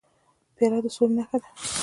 پیاله د سولې نښه ده.